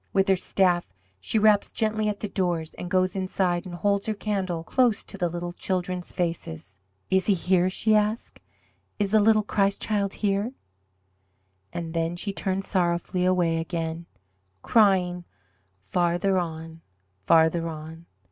With her staff she raps gently at the doors and goes inside and holds her candle close to the little children's faces. "Is He here?" she asks. "Is the little Christ Child here?" And then she turns sorrowfully away again, crying: "Farther on, farther on!"